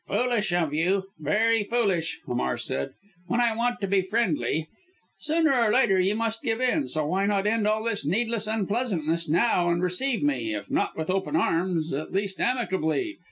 "Foolish of you very foolish!" Hamar said, "when I want to be friendly. Sooner or later you must give in, so why not end all this needless unpleasantness now, and receive me if not with open arms at least amicably.